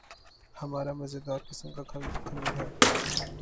ہمارا مزیدار قسم کا خمیر ہے۔